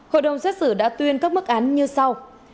hội đồng xét xử đã tuyên các mức án như sau